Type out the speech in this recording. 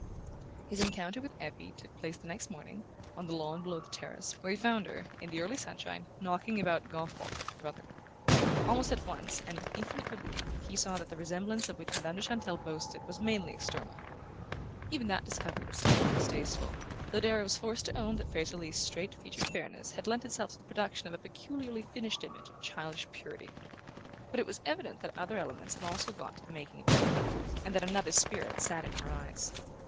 His encounter with Effie took place the next morning, on the lawn below the terrace, where he found her, in the early sunshine, knocking about golf balls with her brother. Almost at once, and with infinite relief, he saw that the resemblance of which Madame de Chantelle boasted was mainly external. Even that discovery was slightly distasteful, though Darrow was forced to own that Fraser Leath's straight featured fairness had lent itself to the production of a peculiarly finished image of childish purity. But it was evident that other elements had also gone to the making of Effie, and that another spirit sat in her eyes.